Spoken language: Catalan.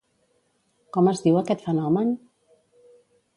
Com es diu aquest fenomen?